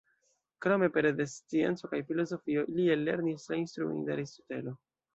Krome, pere de scienco kaj filozofio li ellernis la instruojn de Aristotelo.